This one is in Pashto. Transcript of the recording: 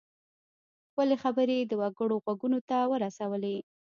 خپلې خبرې د وګړو غوږونو ته ورسولې.